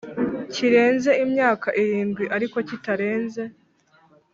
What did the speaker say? Kirenze imyaka irindwi ariko kitarenze